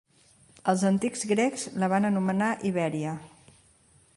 Els antics grecs la van anomenar Ibèria.